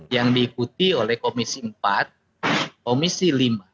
yang diikuti oleh komisi empat komisi lima